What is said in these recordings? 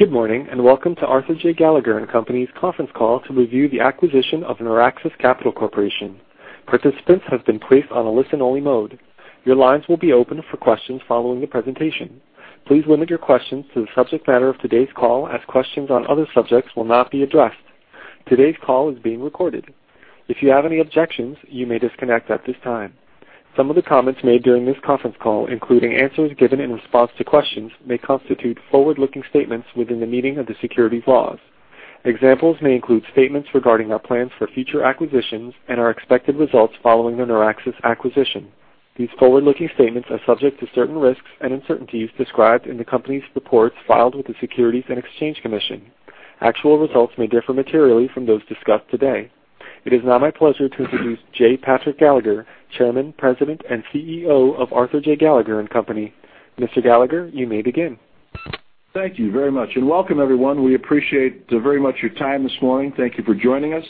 Good morning, welcome to Arthur J. Gallagher & Co.'s conference call to review the acquisition of Noraxis Capital Corporation. Participants have been placed on a listen-only mode. Your lines will be open for questions following the presentation. Please limit your questions to the subject matter of today's call, as questions on other subjects will not be addressed. Today's call is being recorded. If you have any objections, you may disconnect at this time. Some of the comments made during this conference call, including answers given in response to questions, may constitute forward-looking statements within the meaning of the securities laws. Examples may include statements regarding our plans for future acquisitions and our expected results following the Noraxis acquisition. These forward-looking statements are subject to certain risks and uncertainties described in the company's reports filed with the Securities and Exchange Commission. Actual results may differ materially from those discussed today. It is now my pleasure to introduce J. Patrick Gallagher, Chairman, President, and CEO of Arthur J. Gallagher & Co. Mr. Gallagher, you may begin. Thank you very much. Welcome, everyone. We appreciate very much your time this morning. Thank you for joining us.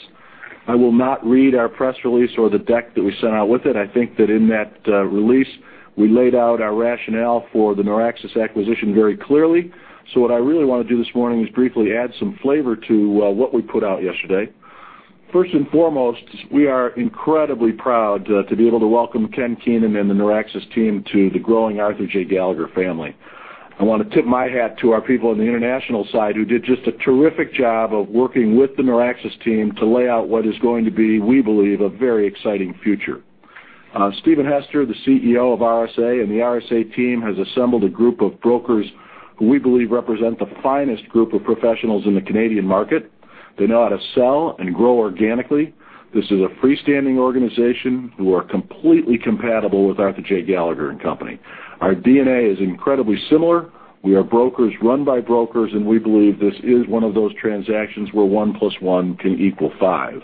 I will not read our press release or the deck that we sent out with it. I think that in that release, we laid out our rationale for the Noraxis acquisition very clearly. What I really want to do this morning is briefly add some flavor to what we put out yesterday. First and foremost, we are incredibly proud to be able to welcome Ken Keenan and the Noraxis team to the growing Arthur J. Gallagher family. I want to tip my hat to our people on the international side, who did just a terrific job of working with the Noraxis team to lay out what is going to be, we believe, a very exciting future. Stephen Hester, the CEO of RSA, and the RSA team has assembled a group of brokers who we believe represent the finest group of professionals in the Canadian market. They know how to sell and grow organically. This is a freestanding organization who are completely compatible with Arthur J. Gallagher & Co. Our DNA is incredibly similar. We are brokers run by brokers, and we believe this is one of those transactions where one plus one can equal five.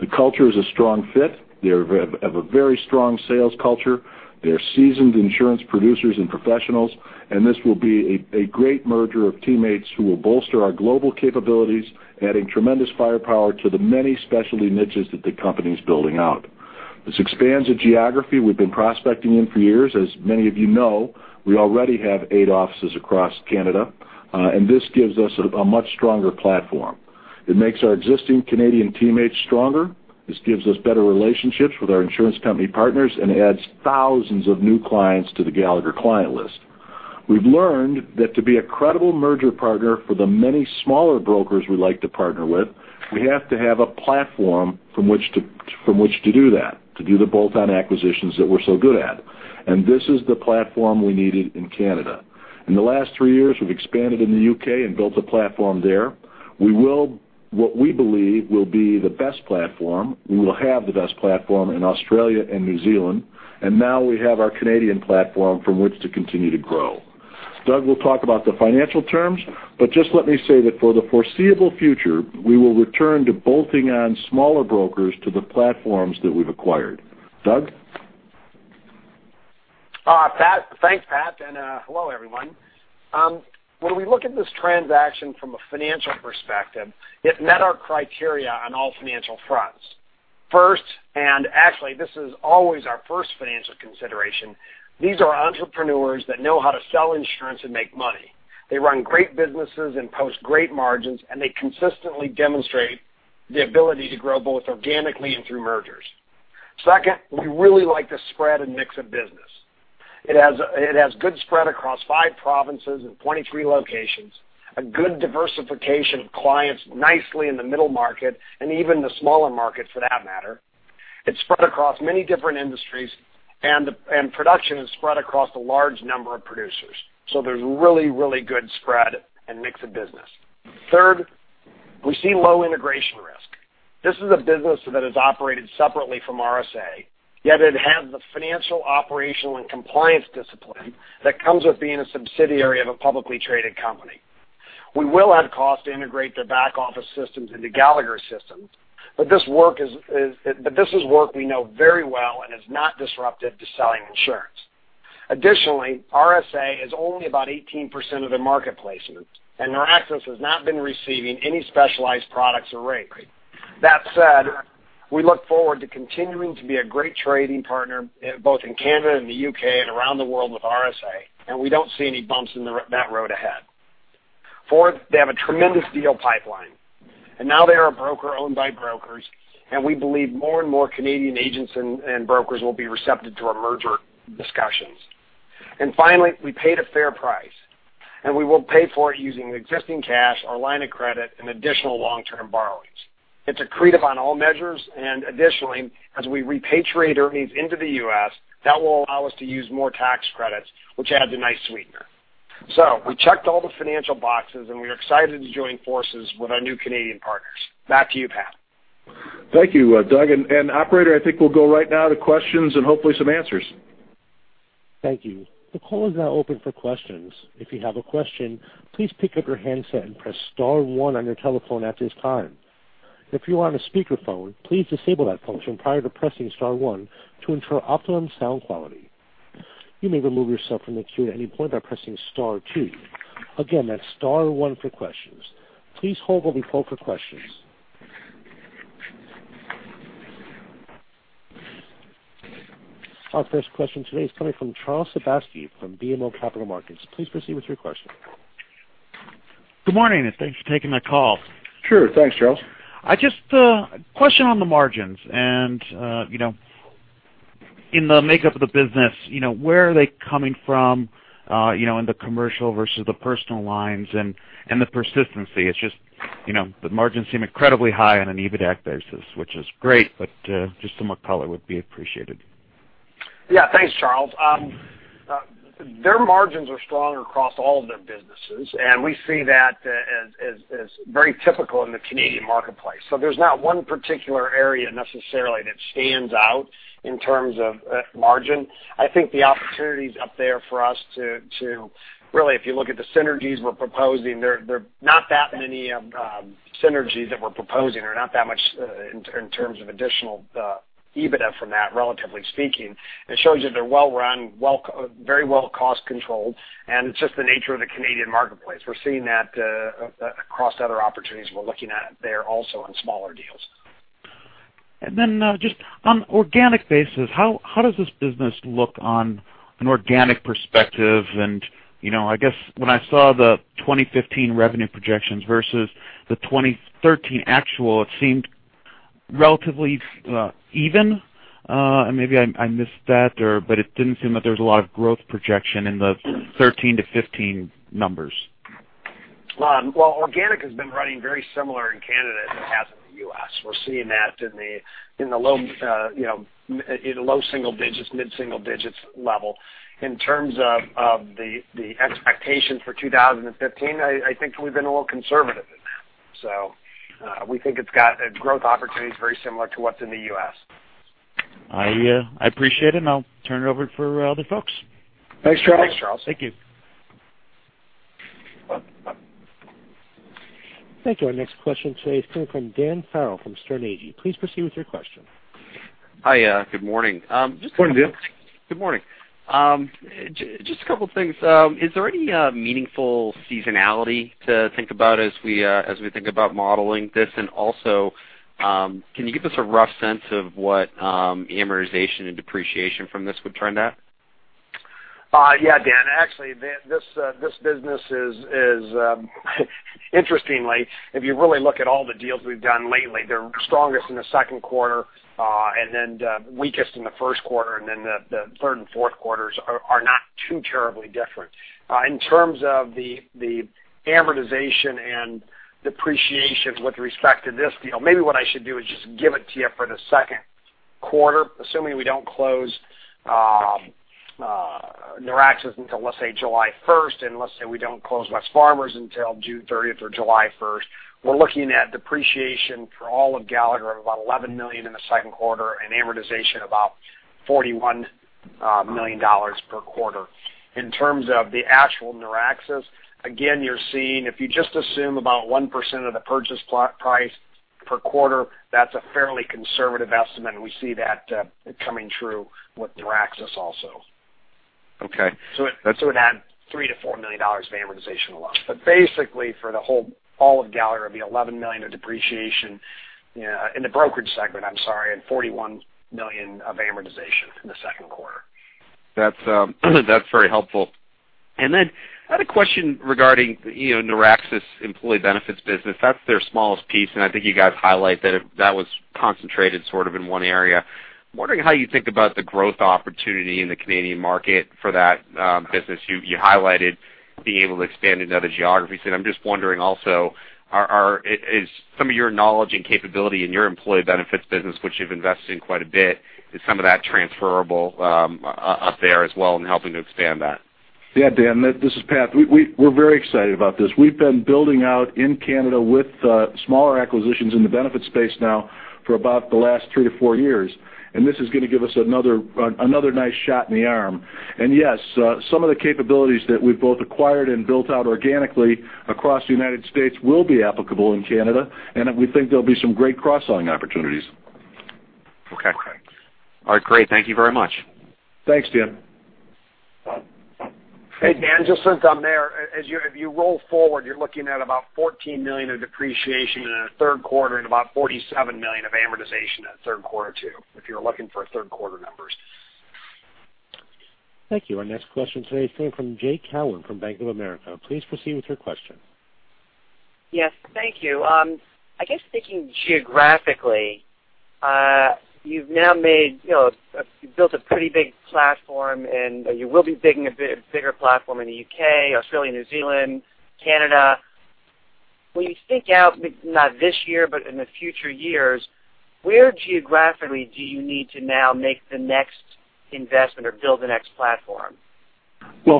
The culture is a strong fit. They have a very strong sales culture. They are seasoned insurance producers and professionals, and this will be a great merger of teammates who will bolster our global capabilities, adding tremendous firepower to the many specialty niches that the company's building out. This expands a geography we've been prospecting in for years. As many of you know, we already have eight offices across Canada, and this gives us a much stronger platform. It makes our existing Canadian teammates stronger. This gives us better relationships with our insurance company partners and adds thousands of new clients to the Gallagher client list. We've learned that to be a credible merger partner for the many smaller brokers we like to partner with, we have to have a platform from which to do that, to do the bolt-on acquisitions that we're so good at. This is the platform we needed in Canada. In the last three years, we've expanded in the U.K. and built a platform there. What we believe will be the best platform, we will have the best platform in Australia and New Zealand, and now we have our Canadian platform from which to continue to grow. Doug will talk about the financial terms, just let me say that for the foreseeable future, we will return to bolting on smaller brokers to the platforms that we've acquired. Doug? Thanks, Pat, hello, everyone. When we look at this transaction from a financial perspective, it met our criteria on all financial fronts. First, actually this is always our first financial consideration, these are entrepreneurs that know how to sell insurance and make money. They run great businesses and post great margins, and they consistently demonstrate the ability to grow both organically and through mergers. Second, we really like the spread and mix of business. It has good spread across five provinces and 23 locations, a good diversification of clients nicely in the middle market and even the smaller market for that matter. It's spread across many different industries, and production is spread across a large number of producers. There's really good spread and mix of business. Third, we see low integration risk. This is a business that has operated separately from RSA, yet it has the financial, operational, and compliance discipline that comes with being a subsidiary of a publicly traded company. We will add cost to integrate their back office systems into Gallagher systems. This is work we know very well and is not disruptive to selling insurance. Additionally, RSA is only about 18% of the marketplace, and Noraxis has not been receiving any specialized products or rates. That said, we look forward to continuing to be a great trading partner both in Canada and the U.K. around the world with RSA, we don't see any bumps in that road ahead. Fourth, they have a tremendous deal pipeline. Now they are a broker owned by brokers, we believe more and more Canadian agents and brokers will be receptive to our merger discussions. Finally, we paid a fair price, and we will pay for it using existing cash, our line of credit, and additional long-term borrowings. It's accretive on all measures. Additionally, as we repatriate earnings into the U.S., that will allow us to use more tax credits, which adds a nice sweetener. We checked all the financial boxes. We are excited to join forces with our new Canadian partners. Back to you, Pat. Thank you, Doug. Operator, I think we'll go right now to questions and hopefully some answers. Thank you. The call is now open for questions. If you have a question, please pick up your handset and press star 1 on your telephone at this time. If you are on a speakerphone, please disable that function prior to pressing star 1 to ensure optimum sound quality. You may remove yourself from the queue at any point by pressing star 2. Again, that's star 1 for questions. Please hold while we poll for questions. Our first question today is coming from Charles Sebaski from BMO Capital Markets. Please proceed with your question. Good morning, and thanks for taking my call. Sure. Thanks, Charles. Just a question on the margins and, in the makeup of the business, where are they coming from, in the commercial versus the personal lines and the persistency? It's just, the margins seem incredibly high on an EBITDA basis, which is great, but just some more color would be appreciated. Yeah. Thanks, Charles. Their margins are strong across all of their businesses, and we see that as very typical in the Canadian marketplace. There's not one particular area necessarily that stands out in terms of margin. I think the opportunities up there for us to really, if you look at the synergies we're proposing, there are not that many synergies that we're proposing, or not that much in terms of additional EBITDA from that, relatively speaking. It shows you they're well-run, very well cost-controlled, and it's just the nature of the Canadian marketplace. We're seeing that across other opportunities we're looking at there also on smaller deals. Just on organic basis, how does this business look on an organic perspective? I guess, when I saw the 2015 revenue projections versus the 2013 actual, it seemed relatively even. Maybe I missed that, but it didn't seem that there was a lot of growth projection in the '13 to '15 numbers. Organic has been running very similar in Canada as it has in the U.S. We're seeing that in the low single digits, mid-single digits level. In terms of the expectation for 2015, I think we've been a little conservative in that. We think it's got growth opportunities very similar to what's in the U.S. I appreciate it, and I'll turn it over for the other folks. Thanks, Charles. Thanks, Charles. Thank you. Thank you. Our next question today is coming from Dan Farrell from Sterne Agee. Please proceed with your question. Hi, good morning. Good morning, Dan. Good morning. Just a couple things. Is there any meaningful seasonality to think about as we think about modeling this? Also, can you give us a rough sense of what amortization and depreciation from this would turn out? Yeah, Dan. Actually, this business is interestingly, if you really look at all the deals we've done lately, they're strongest in the second quarter, and then weakest in the first quarter, and then the third and fourth quarters are not too terribly different. In terms of the amortization and depreciation with respect to this deal, maybe what I should do is just give it to you for the second quarter. Assuming we don't close Noraxis until, let's say, July 1st, and let's say we don't close Wesfarmers until June 30th or July 1st, we're looking at depreciation for all of Gallagher of about $11 million in the second quarter and amortization about $41 million per quarter. In terms of the actual Noraxis, again, you're seeing if you just assume about 1% of the purchase price per quarter, that's a fairly conservative estimate, and we see that coming true with Noraxis also. Okay. It'd add $3 million to $4 million of amortization alone. Basically, for all of Gallagher, it'd be $11 million of depreciation in the brokerage segment, I'm sorry, and $41 million of amortization in the second quarter. That's very helpful. I had a question regarding Noraxis employee benefits business. That's their smallest piece, and I think you guys highlight that that was concentrated sort of in one area. I'm wondering how you think about the growth opportunity in the Canadian market for that business. You highlighted being able to expand into other geographies. I'm just wondering also, is some of your knowledge and capability in your employee benefits business, which you've invested in quite a bit, is some of that transferable up there as well in helping to expand that? Dan, this is Pat. We're very excited about this. We've been building out in Canada with smaller acquisitions in the benefits space now for about the last three to four years, this is going to give us another nice shot in the arm. Yes, some of the capabilities that we've both acquired and built out organically across the United States will be applicable in Canada, we think there'll be some great cross-selling opportunities. Okay. All right, great. Thank you very much. Thanks, Dan. Hey, Dan, just since I'm there, as you roll forward, you're looking at about $14 million of depreciation in the third quarter and about $47 million of amortization at third quarter, too, if you're looking for third quarter numbers. Thank you. Our next question today is coming from Jay Cohen from Bank of America. Please proceed with your question. Yes, thank you. I guess thinking geographically, you've now built a pretty big platform, and you will be building a bigger platform in the U.K., Australia, New Zealand, Canada. When you think out, not this year, but in the future years, where geographically do you need to now make the next investment or build the next platform?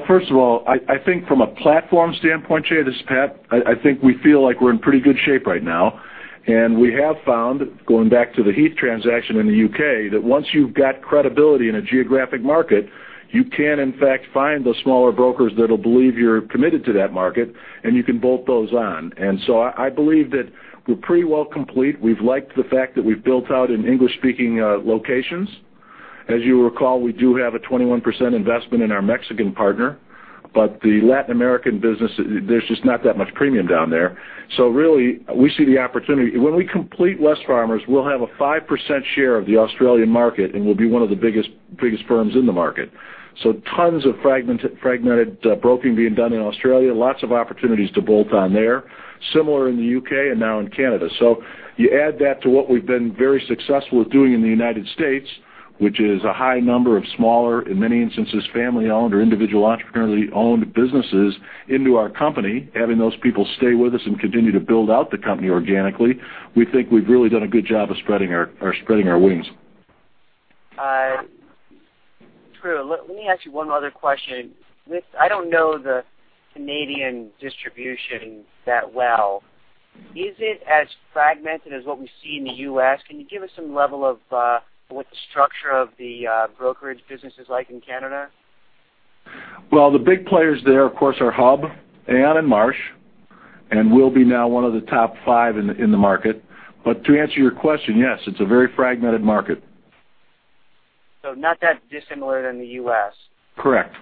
First of all, I think from a platform standpoint, Jay, this is Pat, I think we feel like we're in pretty good shape right now. We have found, going back to the Heath transaction in the U.K., that once you've got credibility in a geographic market, you can in fact find the smaller brokers that'll believe you're committed to that market, and you can bolt those on. I believe that we're pretty well complete. We've liked the fact that we've built out in English-speaking locations. As you recall, we do have a 21% investment in our Mexican partner. The Latin American business, there's just not that much premium down there. Really, we see the opportunity. When we complete Wesfarmers, we'll have a 5% share of the Australian market, and we'll be one of the biggest firms in the market. Tons of fragmented broking being done in Australia, lots of opportunities to bolt on there. Similar in the U.K. and now in Canada. You add that to what we've been very successful with doing in the U.S., which is a high number of smaller, in many instances, family-owned or individual entrepreneurially-owned businesses into our company, having those people stay with us and continue to build out the company organically. We think we've really done a good job of spreading our wings. True. Let me ask you one other question. I don't know the Canadian distribution that well. Is it as fragmented as what we see in the U.S.? Can you give us some level of what the structure of the brokerage business is like in Canada? Well, the big players there, of course, are Hub, Aon, and Marsh, and we'll be now one of the top 5 in the market. To answer your question, yes, it's a very fragmented market. Not that dissimilar than the U.S. Correct.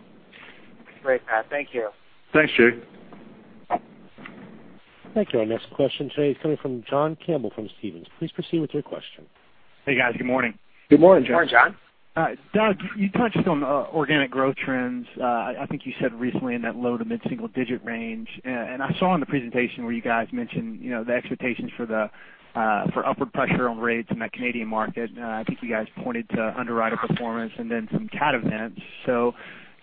Great, Pat. Thank you. Thanks, Jay. Thank you. Our next question today is coming from John Campbell from Stephens. Please proceed with your question. Hey, guys. Good morning. Good morning, John. Good morning, John. Doug, you touched on organic growth trends. I think you said recently in that low to mid-single digit range. I saw in the presentation where you guys mentioned, the expectations for upward pressure on rates in that Canadian market. I think you guys pointed to underwriter performance and then some cat events.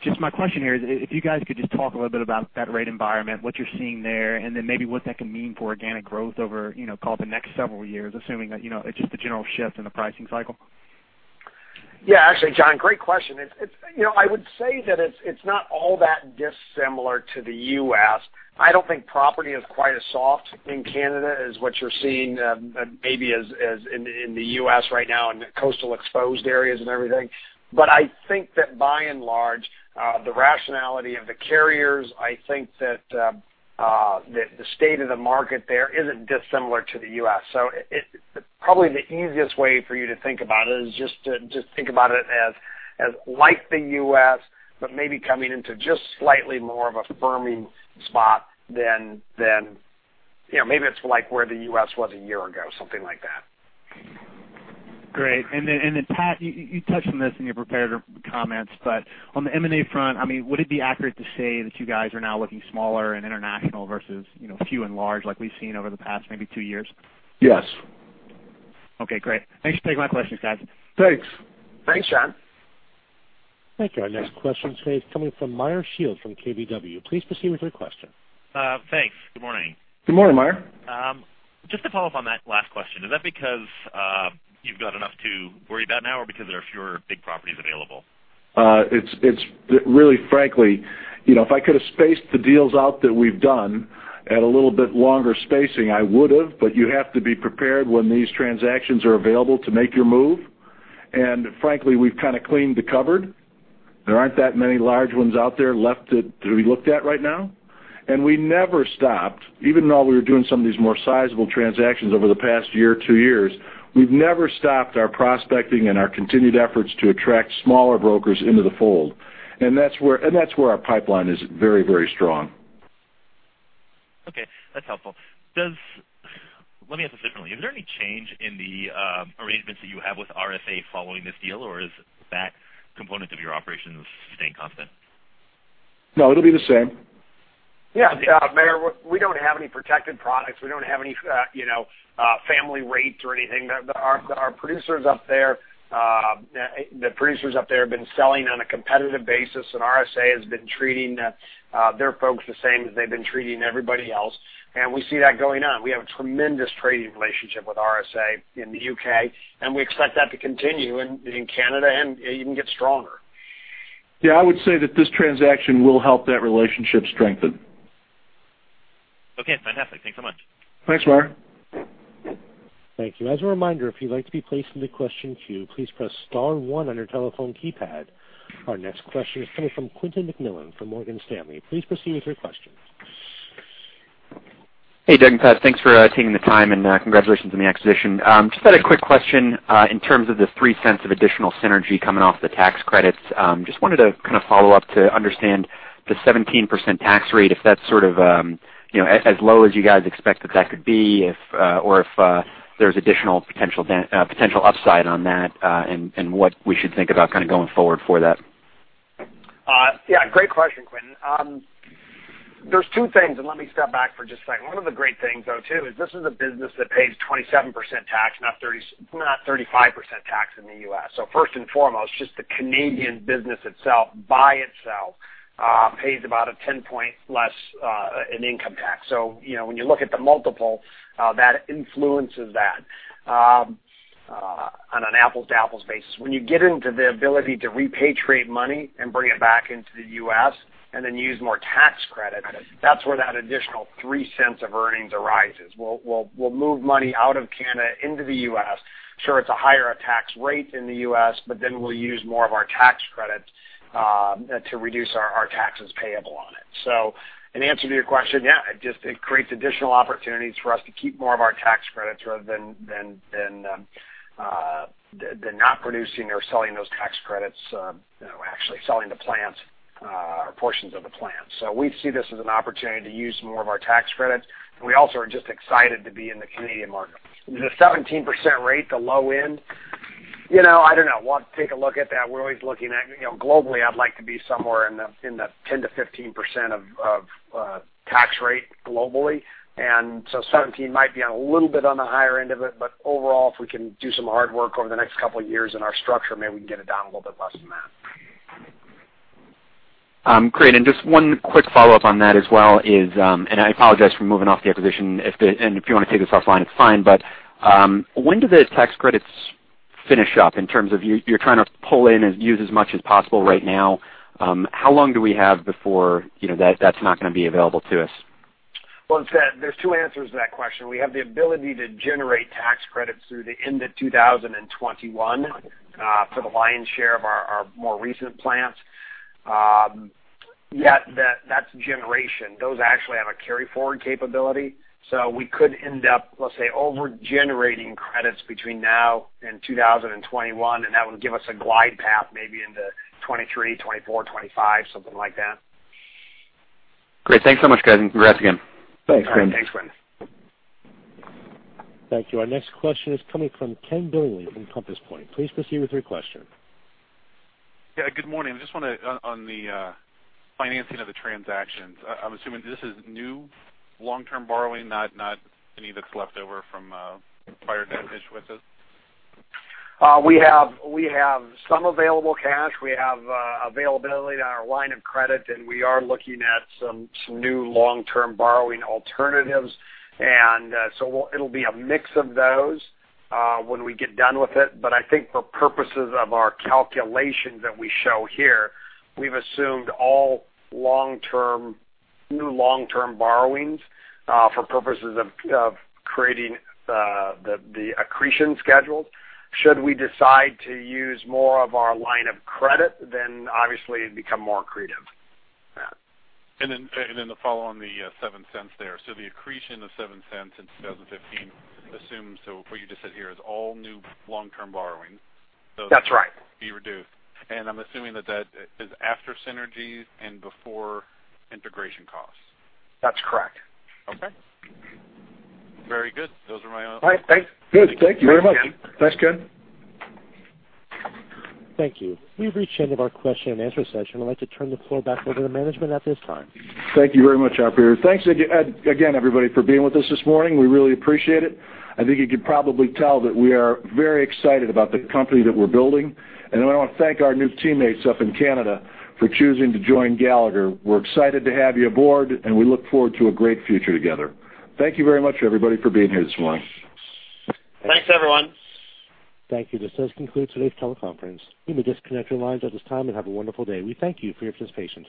Just my question here is, if you guys could just talk a little bit about that rate environment, what you're seeing there, and then maybe what that can mean for organic growth over, call it, the next several years, assuming that, it's just a general shift in the pricing cycle. Yeah, actually, John, great question. I would say that it's not all that dissimilar to the U.S. I don't think property is quite as soft in Canada as what you're seeing maybe as in the U.S. right now in coastal exposed areas and everything. I think that by and large, the rationality of the carriers, I think that the state of the market there isn't dissimilar to the U.S. Probably the easiest way for you to think about it is just to think about it as like the U.S., but maybe coming into just slightly more of a firming spot than, maybe it's like where the U.S. was a year ago, something like that. Great. Pat, you touched on this in your prepared comments, but on the M&A front, would it be accurate to say that you guys are now looking smaller and international versus few and large like we've seen over the past maybe two years? Yes. Okay, great. Thanks for taking my questions, guys. Thanks. Thanks, John. Thank you. Our next question today is coming from Meyer Shields from KBW. Please proceed with your question. Thanks. Good morning. Good morning, Meyer. Just to follow up on that last question, is that because you've got enough to worry about now or because there are fewer big properties available? It's really, frankly, if I could've spaced the deals out that we've done at a little bit longer spacing, I would've, but you have to be prepared when these transactions are available to make your move. Frankly, we've kind of cleaned the cupboard. There aren't that many large ones out there left to be looked at right now. We never stopped, even though we were doing some of these more sizable transactions over the past year, two years, we've never stopped our prospecting and our continued efforts to attract smaller brokers into the fold. That's where our pipeline is very strong. Okay. That's helpful. Let me ask this differently. Is there any change in the arrangements that you have with RSA following this deal, or is that component of your operations staying constant? No, it'll be the same. Yeah, Meyer, we don't have any protected products. We don't have any family rates or anything. The producers up there have been selling on a competitive basis. RSA has been treating their folks the same as they've been treating everybody else. We see that going on. We have a tremendous trading relationship with RSA in the U.K. We expect that to continue in Canada and even get stronger. Yeah, I would say that this transaction will help that relationship strengthen. Okay, fantastic. Thanks so much. Thanks, Meyer. Thank you. As a reminder, if you'd like to be placed in the question queue, please press star one on your telephone keypad. Our next question is coming from Quentin McMillan from Morgan Stanley. Please proceed with your question. Hey, Doug and Pat, thanks for taking the time, and congratulations on the acquisition. Just had a quick question in terms of the $0.03 of additional synergy coming off the tax credits. Just wanted to kind of follow up to understand the 17% tax rate, if that's sort of as low as you guys expect that that could be or if there's additional potential upside on that, and what we should think about kind of going forward for that. Great question, Quentin. There are two things. Let me step back for just a second. One of the great things, though, too, is this is a business that pays 27% tax, not 35% tax in the U.S. First and foremost, just the Canadian business itself, by itself, pays about a 10 point less in income tax. When you look at the multiple, that influences that on an apples-to-apples basis. When you get into the ability to repatriate money and bring it back into the U.S. and then use more tax credits, that is where that additional $0.03 of earnings arises. We will move money out of Canada into the U.S. Sure, it is a higher tax rate in the U.S., but then we will use more of our tax credits to reduce our taxes payable on it. In answer to your question, yeah, it creates additional opportunities for us to keep more of our tax credits rather than not producing or selling those tax credits, actually selling the plants or portions of the plants. We see this as an opportunity to use more of our tax credits. We also are just excited to be in the Canadian market. The 17% rate, the low end, I do not know. We will have to take a look at that. We are always looking at Globally, I would like to be somewhere in the 10%-15% of tax rate globally. 17 might be a little bit on the higher end of it. Overall, if we can do some hard work over the next couple of years in our structure, maybe we can get it down a little bit less than that. Great. Just one quick follow-up on that as well is, I apologize for moving off the acquisition. If you want to take this offline, it is fine. When do the tax credits finish up in terms of you are trying to pull in and use as much as possible right now? How long do we have before that is not going to be available to us? Well, there are two answers to that question. We have the ability to generate tax credits through the end of 2021 for the lion's share of our more recent plants. That is generation. Those actually have a carry-forward capability. We could end up, let us say, over-generating credits between now and 2021. That would give us a glide path maybe into 2023, 2024, 2025, something like that. Great. Thanks so much, guys, and congrats again. Thanks, Quentin. All right. Thanks, Quentin. Thank you. Our next question is coming from Ken Billingsley from Compass Point. Please proceed with your question. Yeah, good morning. Just on the financing of the transactions, I'm assuming this is new long-term borrowing, not any that's left over from prior transactions. We have some available cash. We have availability on our line of credit, and we are looking at some new long-term borrowing alternatives. It'll be a mix of those when we get done with it. I think for purposes of our calculations that we show here, we've assumed all new long-term borrowings for purposes of creating the accretion schedules. Should we decide to use more of our line of credit, then obviously it'd become more accretive. To follow on the $0.07 there. The accretion of $0.07 in 2015 assumes, so what you just said here is all new long-term borrowings. That's right. Be reduced. I'm assuming that that is after synergies and before integration costs. That's correct. Okay. Very good. Those are my only- All right, thanks. Good. Thank you very much. Thanks, Ken. Thank you. We've reached the end of our question and answer session. I'd like to turn the floor back over to management at this time. Thank you very much, operator. Thanks again, everybody, for being with us this morning. We really appreciate it. I think you can probably tell that we are very excited about the company that we're building. I want to thank our new teammates up in Canada for choosing to join Gallagher. We're excited to have you aboard, and we look forward to a great future together. Thank you very much, everybody, for being here this morning. Thanks, everyone. Thank you. This does conclude today's teleconference. You may disconnect your lines at this time and have a wonderful day. We thank you for your participation.